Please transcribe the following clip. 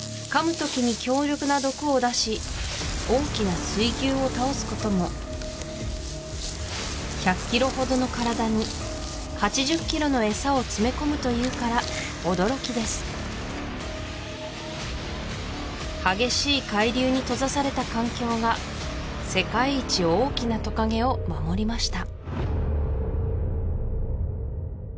時に強力な毒を出し大きな水牛を倒すことも１００キロほどの体に８０キロのエサを詰め込むというから驚きです激しい海流に閉ざされた環境が世界一大きなトカゲを守りました